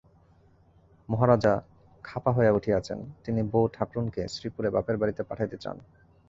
মহারাজা খাপা হইয়া উঠিয়াছেন, তিনি বউ-ঠাকরুনকে শ্রীপুরে বাপের বাড়িতে পাঠাইতে চান।